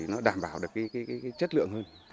nó đảm bảo được chất lượng hơn